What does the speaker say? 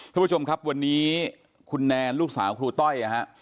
ทุกผู้ชมครับวันนี้คุณแนนลูกสาวครูต้อยนะฮะ